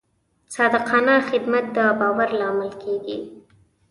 صادقانه خدمت د باور لامل کېږي.